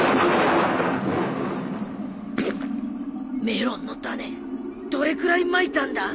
メロンの種どれくらいまいたんだ？